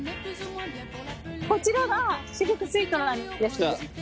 こちらがシルクスイートなんです。